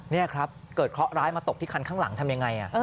นี่ครับเกิดเคราะหร้ายมาตกที่คันข้างหลังทำยังไง